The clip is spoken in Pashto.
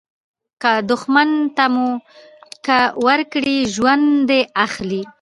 که دوښمن ته موکه ورکړي، ژوند دي اخلي.